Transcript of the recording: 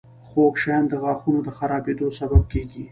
• خوږ شیان د غاښونو د خرابېدو سبب کیږي.